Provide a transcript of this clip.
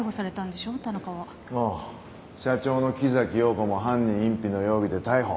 社長の木崎陽子も犯人隠避の容疑で逮捕。